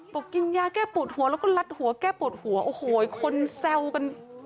กินยาแก้ปวดหัวแล้วก็ลัดหัวแก้ปวดหัวโอ้โหคนแซวกัน